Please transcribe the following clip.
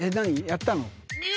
やったの？